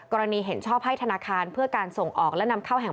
เห็นชอบให้ธนาคารเพื่อการส่งออกและนำเข้าแห่ง